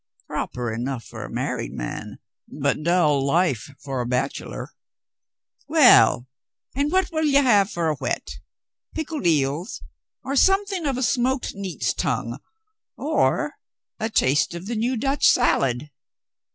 "Proper enough for a married man, but dull life for a bachelor. Well, and what will you have for a whet ? Pickled eels, or something of a smoked neat's tongue, or a taste of the new Dutch salad?"